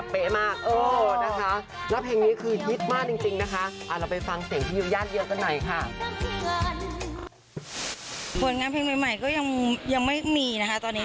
ส่วนงานเพลงใหม่ก็ยังไม่มีนะคะตอนนี้